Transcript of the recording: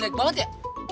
eh tunggu tunggu tunggu